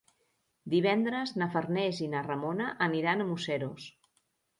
Divendres na Farners i na Ramona aniran a Museros.